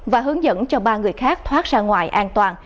và hướng dẫn cho ba người khác thoát ra ngoài an toàn